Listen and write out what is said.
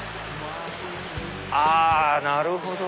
あなるほど！